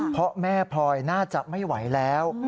เพราะแม่พลอยน่าจะไม่ไหวแล้ว